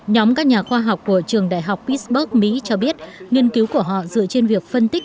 nhóm các nhà khoa học của trường đại học pitberg mỹ cho biết nghiên cứu của họ dựa trên việc phân tích